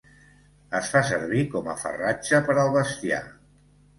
Es fa servir com a farratge per al bestiar.